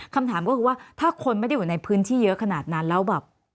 คำถามก็คือว่าถ้าคนไม่ได้อยู่ในพื้นที่เยอะขนาดนั้นแล้วแบบ